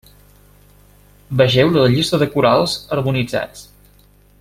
Vegeu la llista de corals harmonitzats.